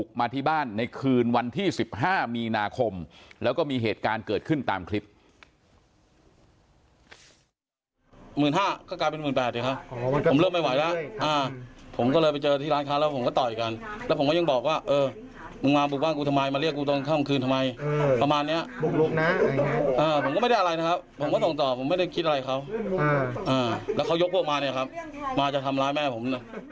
หมื่นห้าก็กลายเป็นหมื่นแปดเดี๋ยวครับผมเลือกไม่ไหวแล้วผมก็เลยไปเจอที่ร้านค้าแล้วผมก็ต่อยกันแล้วผมก็ยังบอกว่าเออมึงมาบุกบ้านกูทำไมมาเรียกกูตอนข้างคืนทำไมประมาณเนี้ยผมก็ไม่ได้อะไรนะครับผมก็ส่งต่อผมไม่ได้คิดอะไรครับแล้วเขายกพวกมาเนี่ยครับมาจะทำร้ายแม่ผม